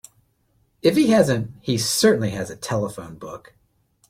If he hasn't he certainly has a telephone book.